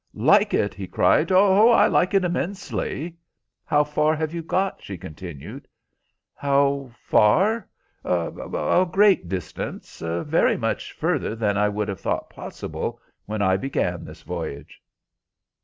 "Like it?" he cried; "oh, I like it immensely." "How far have you got?" she continued. "How far? Oh, a great distance. Very much further than I would have thought it possible when I began this voyage."